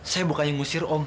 saya bukannya ngusir om